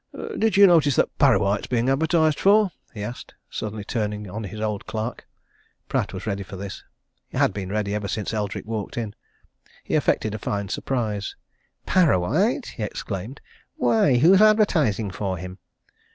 "Did you notice that Parrawhite is being advertised for?" he asked, suddenly turning on his old clerk. Pratt was ready for this had been ready ever since Eldrick walked in. He affected a fine surprise. "Parrawhite!" he exclaimed. "Why who's advertising for him?"